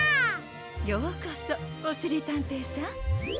ようこそおしりたんていさん。